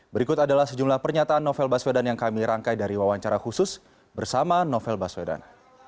berikut adalah sejumlah pernyataan novel baswedan yang kami rangkai dari wawancara khusus bersama novel baswedan